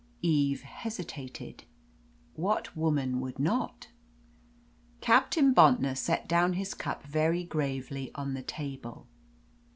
Eve hesitated. What woman would not? Captain Bontnor set down his cup very gravely on the table.